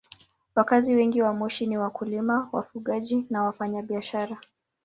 Wakazi wengi wa Moshi ni wakulima, wafugaji na wafanyabiashara.